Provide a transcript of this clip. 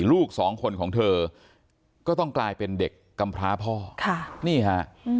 ลูกสองคนของเธอก็ต้องกลายเป็นเด็กกำพร้าพ่อค่ะนี่ฮะ